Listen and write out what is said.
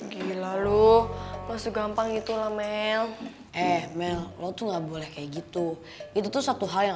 gila lu masuk gampang gitu lah mel eh mel lo tuh nggak boleh kayak gitu itu tuh satu hal yang